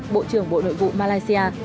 bộ trưởng bộ đội vụ malaysia